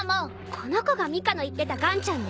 この子がミカの言ってたガンちゃんね。